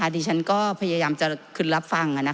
ดิฉันก็พยายามจะขึ้นรับฟัง